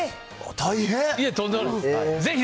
大変！